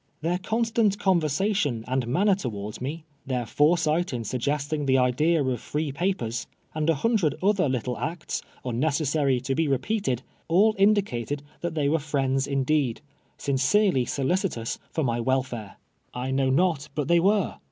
Their constant conversation and manner towards me — tlieir furesii; lit in sugg esting the idea of free papers, and a linndred other little acts, unnecessary to ])e r(.'j>eate<l —■ all indicated that they were friends indeed, sincerely solicitous for my welfare. I know not but they were.